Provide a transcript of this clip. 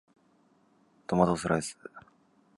トマトスライス